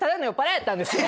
やったんですよ。